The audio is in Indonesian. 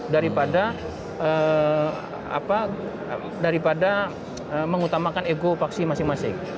daripada mengutamakan ego paksi masing masing